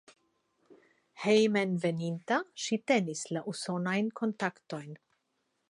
Hejmenveninta ŝi tenis la usonajn kontaktojn.